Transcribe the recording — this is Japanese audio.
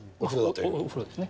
お風呂ですね。